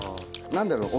何だろう